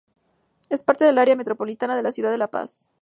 Es parte del área metropolitana de la ciudad de La Paz.